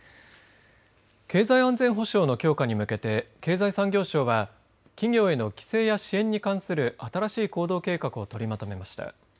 経済安全保障の強化に向けて経済産業省は企業への規制や支援に関する新しい行動計画を取りまとめました。